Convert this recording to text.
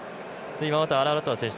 今またアラアラトア選手